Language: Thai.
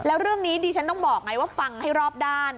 แล้วเรื่องนี้ดิฉันต้องบอกไงว่าฟังให้รอบด้าน